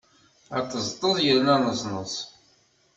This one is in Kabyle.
Aṭeẓṭeẓ yerna aneẓneẓ.